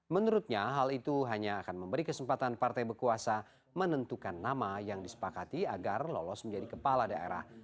menurutnya hal itu hanya akan memberi kesempatan partai berkuasa menentukan nama yang disepakati agar lolos menjadi kepala daerah